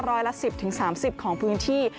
ร้อยละ๑๐๓๐ของพื้นที่